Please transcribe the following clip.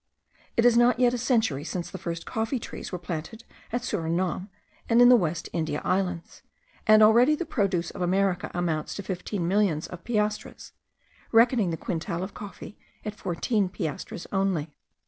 It is not yet a century since the first coffee trees were planted at Surinam and in the West India Islands, and already the produce of America amounts to fifteen millions of piastres, reckoning the quintal of coffee at fourteen piastres only.